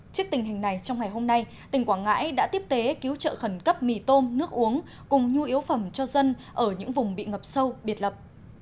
trước tình hình này trong ngày hôm nay tỉnh quảng ngãi đã tiếp tế cứu trợ khẩn cấp mì tôm nước uống cùng nhu yếu phẩm cho dân ở những vùng bị ngập sâu biệt lập